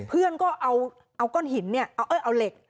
เพื่อนก็เอาก้อนหินเอาเหล็ก